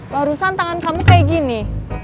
warusan tangan kamu kayak gini